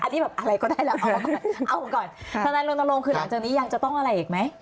อันนี้แบบอะไรก็ได้แล้วเอาก่อนทนายรณรงค์คือหลังจากนี้ยังจะต้องอะไรอีกไหม